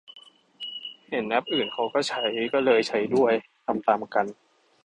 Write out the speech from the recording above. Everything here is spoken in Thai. เห็นแอปอื่นเขาก็ใช้ ก็เลยใช้ด้วย ทำตามกัน